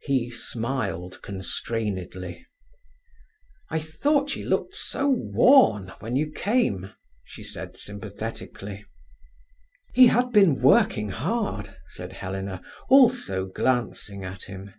He smiled constrainedly. "I thought ye looked so worn when you came," she said sympathetically. "He had been working hard," said Helena, also glancing at him.